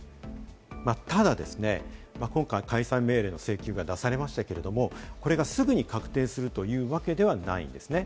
ただですね、今回、解散命令の請求が出されましたけれども、これがすぐに確定するというわけではないんですね。